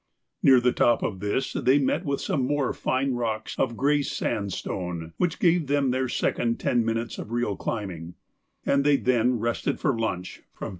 Near the top of this they met with some more fine rocks of grey sandstone which gave them their second ten minutes of real climbing, and they then rested for lunch from 10.